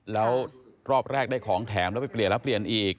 แล้วรอบแรกได้ของแถมแล้วไปเปลี่ยนแล้วเปลี่ยนอีก